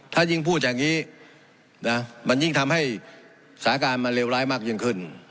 ถ้ายิ่งพูดอย่างนี้มันยิ่งทำให้สถานการณ์มันเลวร้ายมากยิ่งขึ้น